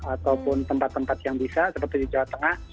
ataupun tempat tempat yang bisa seperti di jawa tengah